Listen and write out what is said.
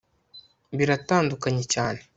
Biratandukanye cyane